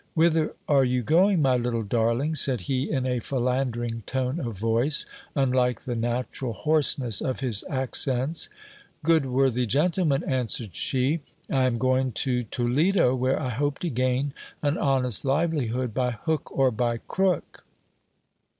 Whither are you going, my little darling? said he in a philandering tone of voice, unlike the natural hoarseness of his accents. Good worthy gentleman, answered she, I am going to Toledo, where I hope to gain an honest livelihood by hook or by crook.